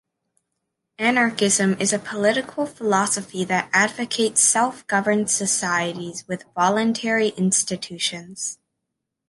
Anarchism is a political philosophy that advocates self-governed societies with voluntary institutions.